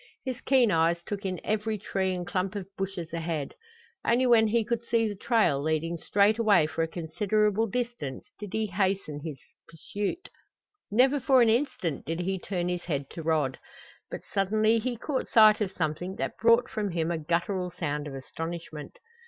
His keen eyes took in every tree and clump of bushes ahead. Only when he could see the trail leading straight away for a considerable distance did he hasten the pursuit. Never for an instant did he turn his head to Rod. But suddenly he caught sight of something that brought from him a guttural sound of astonishment.